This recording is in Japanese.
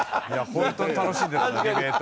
本当に楽しんでたなディベート。